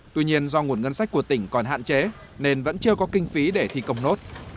tuy nhiên do nguồn ngân sách của tỉnh còn hạn chế nên vẫn chưa có kinh phí để thi công nốt